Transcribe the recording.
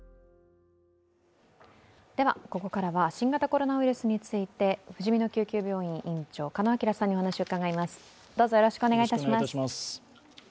ここからは新型コロナウイルスについて、ふじみの救急病院院長、鹿野晃さんにお話を伺います。